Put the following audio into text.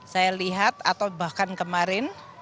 saya lihat atau bahkan kemarin